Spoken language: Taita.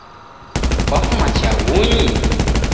Kwafuma chaghunyi?